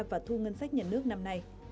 và thu ngân sách nhận nước năm nay